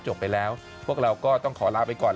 จบไปแล้วพวกเราก็ต้องขอลาไปก่อน